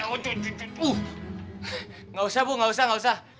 uh nggak usah bu nggak usah nggak usah